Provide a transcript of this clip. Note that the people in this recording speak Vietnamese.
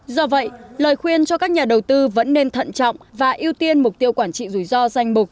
do vậy lời khuyên cho các nhà đầu tư vẫn nên thận trọng và ưu tiên mục tiêu quản trị rủi ro danh mục